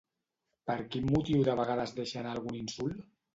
Per quin motiu de vegades deixa anar algun insult?